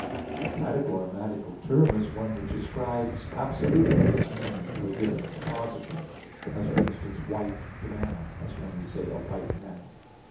A categorematical term is one which ascribes absolutely its meaning to a given suppositum; as, for instance, "white" to man, as when we say a "white man."